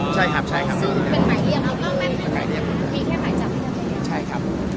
ใช่ครับ